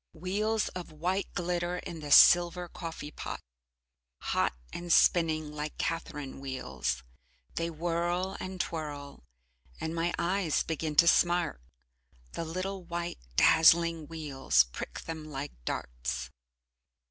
Wheels of white glitter in the silver coffee pot, hot and spinning like catherine wheels, they whirl, and twirl and my eyes begin to smart, the little white, dazzling wheels prick them like darts.